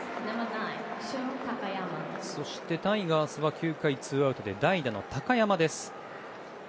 タイガースは９回ツーアウトで代打の高山です。